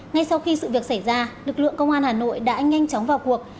ngay sau khi sự việc xảy ra lực lượng công an hà nội đã nhanh chóng vào cuộc